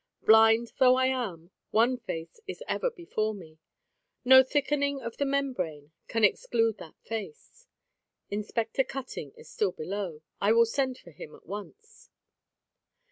Blind though I am, one face is ever before me. No thickening of the membrane can exclude that face. Inspector Cutting is still below; I will send for him at once.